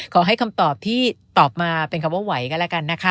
คำตอบที่ตอบมาเป็นคำว่าไหวก็แล้วกันนะคะ